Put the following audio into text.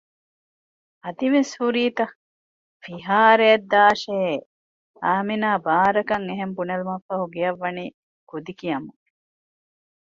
އަދިވެސް ހުރީތަ؟ ފިހާރައަށް ދާށޭ! އާމިނާ ބާރަކަށް އެހެން ބުނެލުމަށްފަހު ގެއަށް ވަނީ ކުދި ކިޔަމުން